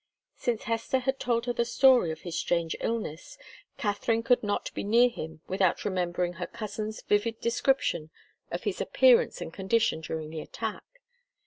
Since Hester had told her the story of his strange illness, Katharine could not be near him without remembering her cousin's vivid description of his appearance and condition during the attack.